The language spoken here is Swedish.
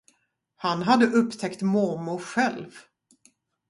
Han hade upptäckt mormor själv.